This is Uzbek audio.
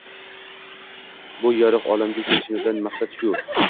Bu yorug‘ olamga kelishimizdan maqsad shu.